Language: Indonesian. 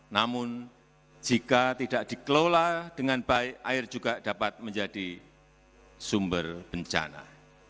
namun jika tidak dikelola dengan baik air juga dapat menjadi sumber bencana